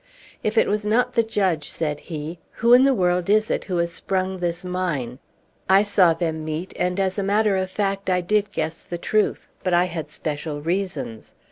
"If it was not the judge," said he, "who in the world is it who has sprung this mine, I saw them meet, and as a matter of fact I did guess the truth. But I had special reasons.